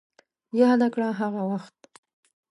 ياده کړه هغه وخت